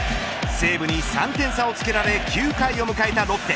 西武に３点差をつけられ９回を迎えたロッテ。